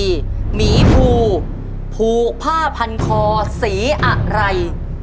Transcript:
หมีภูผูกผ้าพันคอสีอะไร